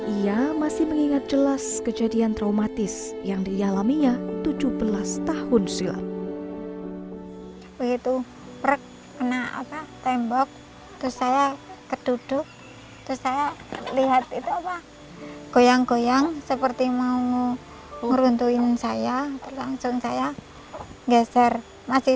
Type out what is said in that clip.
ia masih mengingat jelas kejadian traumatis yang dialaminya tujuh belas tahun silam